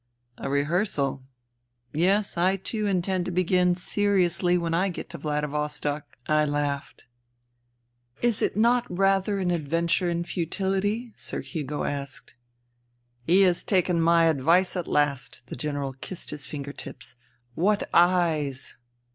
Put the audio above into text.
" A rehearsal. ... Yes, I too intend to begin ' seriously ' when I get to Vladivostok," I laughed. "Is it not rather an adventure in futility ?" Sir Hugo asked. " He has taken my advice at last." The General kissed his finger tips. " What eyes